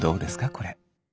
これ。